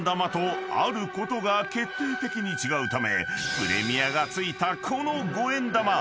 ［プレミアが付いたこの五円玉］